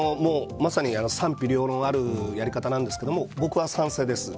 まさに賛否両論あるやり方なんですけど、僕は賛成です。